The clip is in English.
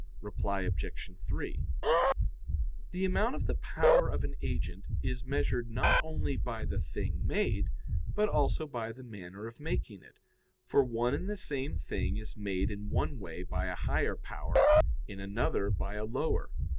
Reply Obj. 3: The amount of the power of an agent is measured not only by the thing made, but also by the manner of making it; for one and the same thing is made in one way by a higher power, in another by a lower.